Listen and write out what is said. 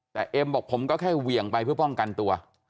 แต่เอ็มบอกผมก็แค่เหวี่ยงไปเพื่อป้องกันตัว